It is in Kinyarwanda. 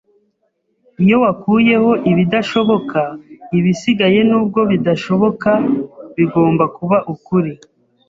Iyo wakuyeho ibidashoboka, ibisigaye, nubwo bidashoboka, bigomba kuba ukuri.